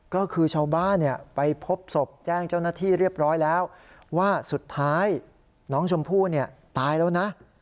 ก็คือชาวบ้านไปพบศพแจ้งเจ้าหน้าที่เรียบร้อยแล้วว่าสุดท้ายน้องชมพู่ตายแล้วนะ